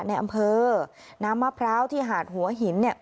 ในอำเภอน้ำมะพร้าวที่หาดหัวหินเนี่ย